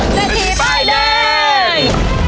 แซทรีย์ไปเลย